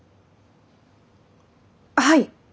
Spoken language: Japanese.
はい！